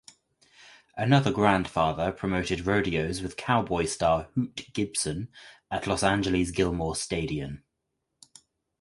Another grandfather promoted rodeos with cowboy star Hoot Gibson at Los Angeles Gilmore Stadium.